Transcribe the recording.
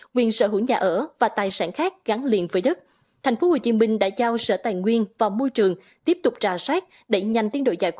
quyền sở hữu nhà ở và tài sản khác gắn liền với đất tp hcm đã giao sở tài nguyên và môi trường tiếp tục trà sát